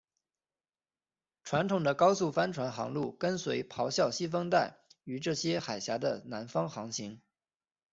传统的高速帆船航路跟随咆哮西风带于这些海岬的南方航行。